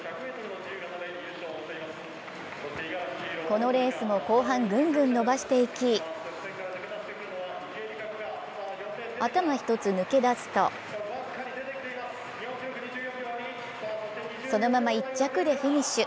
このレースも後半グングン伸ばしていき、頭一つ抜け出すとそのまま１着でフィニッシュ。